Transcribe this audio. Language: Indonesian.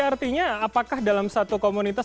artinya apakah dalam satu komunitas